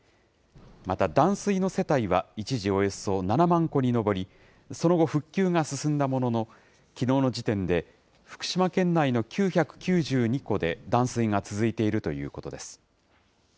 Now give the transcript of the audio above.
また断水の世帯は一時およそ７万戸に上り、その後復旧が進んだものの、きのうの時点で福島県内の９９２戸で、断水が続いているということです。